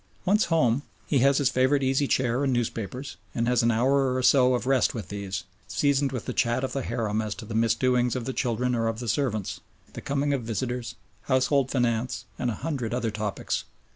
Once home, he has his favourite easy chair and newspapers, and has an hour or so of rest with these, seasoned with the chat of the harem as to the misdoings of the children or of the servants, the coming of visitors, household finance, and a hundred other topics.